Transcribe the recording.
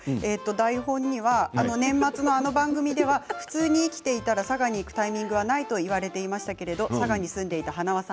台本には年末のあの番組では普通に生きていたら佐賀に行くタイミングはないって言われていましたけれども佐賀に住んでいた塙さん